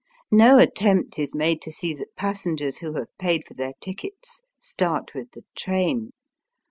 No attempt is made to see that passengers who have paid for their tickets start with the train.